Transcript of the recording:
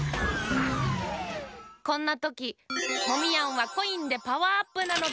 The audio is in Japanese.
こんなときモミヤンはコインでパワーアップなのだ。